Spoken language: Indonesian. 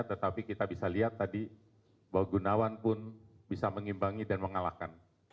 tetapi kita bisa lihat tadi bahwa gunawan pun bisa mengimbangi dan mengalahkan